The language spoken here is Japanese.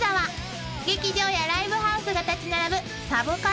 ［劇場やライブハウスが立ち並ぶ